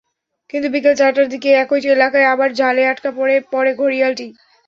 কিন্তু বিকেল চারটার দিকে একই এলাকায় আবার জালে আটকা পড়ে ঘড়িয়ালটি।